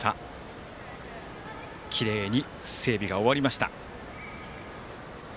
きれいに整備が終わりました。